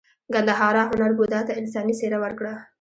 ګندهارا هنر بودا ته انساني څیره ورکړه